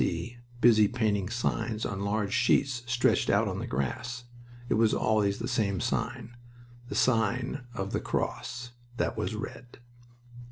C. busy painting signs on large sheets stretched out on the grass. It was always the same sign the Sign of the Cross that was Red.